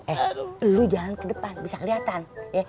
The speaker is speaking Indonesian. eh lu jalan ke depan bisa keliatan